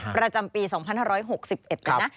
ประจำปี๒๕๖๑นะ